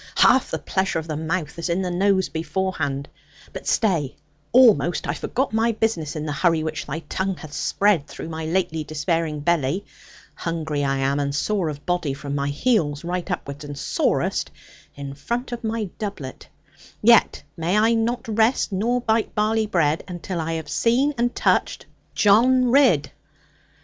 Half the pleasure of the mouth is in the nose beforehand. But stay, almost I forgot my business, in the hurry which thy tongue hath spread through my lately despairing belly. Hungry I am, and sore of body, from my heels right upward, and sorest in front of my doublet, yet may I not rest nor bite barley bread, until I have seen and touched John Ridd.